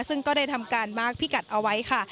ซึ่งก็ได้ทำการมาร์คพิกัดเอาไว้ค่ะ